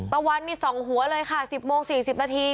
ตะวันนี่๒หัวเลยค่ะ๑๐โมง๔๐นาที